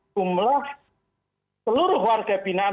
jumlah seluruh warga binaan